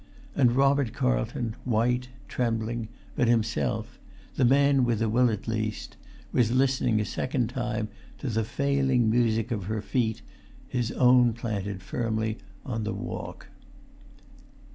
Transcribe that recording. And Robert Carlton, white, trembling, but himself—the man with a will at least—was listening a second time to the failing music of her feet, his own planted firmly on the walk.